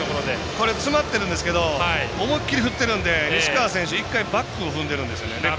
これ詰まってるんですけど思い切り振っているので西川選手１回バックしてるんですよね。